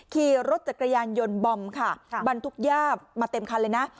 ขี่รถจักรยานยนต์บอมค่ะบรรทุกย่ามาเต็มคันเลยนะ